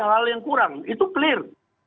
hal yang kurang itu clear